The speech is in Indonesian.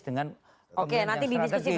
dengan pemimpinan strategis